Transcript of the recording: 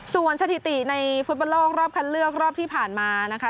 ส่วนสถิติในฟุตบอลโลกรอบคันเลือกรอบที่ผ่านมานะคะ